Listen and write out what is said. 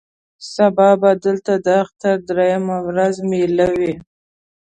سبا به دلته د اختر درېیمه ورځ مېله وي.